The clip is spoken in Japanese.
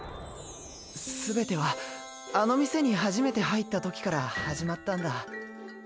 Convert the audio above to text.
すべてはあの店に初めて入ったときから始まったんだ。